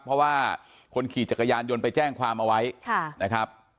เพราะว่าคนขี่จักรยานยนต์ไปแจ้งความเอาไว้นะครับ